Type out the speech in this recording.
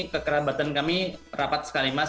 kekerabatan kami rapat sekali mas